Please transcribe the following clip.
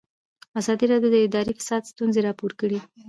ازادي راډیو د اداري فساد ستونزې راپور کړي.